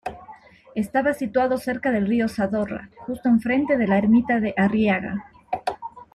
Estaba situado cerca del río Zadorra, justo enfrente de la Ermita de Arriaga.